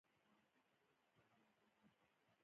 هر ګام په ورځني ژوند کې جزیي بدلونونه راوستل.